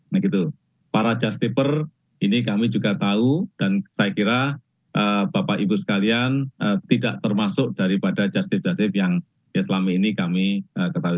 nah gitu para justiper ini kami juga tahu dan saya kira bapak ibu sekalian tidak termasuk daripada justice justice yang selama ini kami ketahui